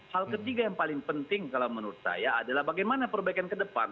hal ketiga yang paling penting kalau menurut saya adalah bagaimana perbaikan ke depan